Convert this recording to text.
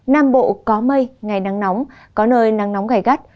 nam bộ có mây ngày nắng nóng có nơi nắng nóng gai gắt